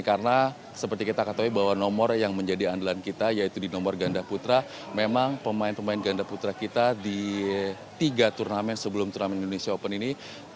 karena seperti kita katakan bahwa nomor yang menjadi andalan kita yaitu di nomor ganda putra memang pemain pemain ganda putra kita di tiga turnamen sebelum turnamen indonesia open ini